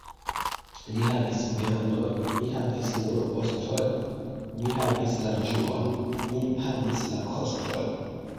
Li havis viandon, mi havis nur oston — li havis la ĝuon, mi pagis la koston.